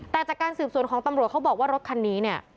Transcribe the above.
แต่จากการสืบสวนของตำรวจเขาบอกว่ารถคันนี้เนี่ย